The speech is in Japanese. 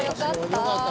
よかった。